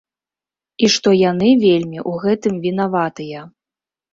І што яны вельмі ў гэтым вінаватыя.